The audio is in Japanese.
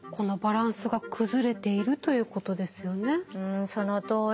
んそのとおり。